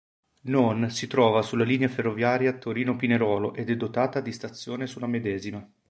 None si trova sulla linea ferroviaria Torino-Pinerolo ed è dotata di stazione sulla medesima.